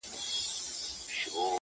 چي تابه وكړې راته ښې خبري،